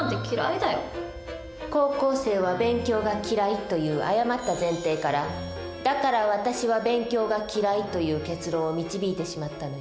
「高校生は勉強が嫌い」という誤った前提から「だから私は勉強が嫌い」という結論を導いてしまったのよ。